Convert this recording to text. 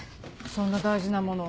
そんな大事なもの